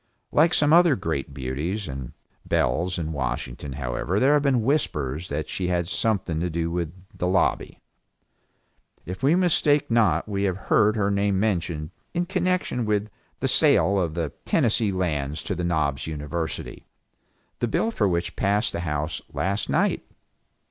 Like some other great beauties and belles in Washington however there have been whispers that she had something to do with the lobby. If we mistake not we have heard her name mentioned in connection with the sale of the Tennessee Lands to the Knobs University, the bill for which passed the House last night.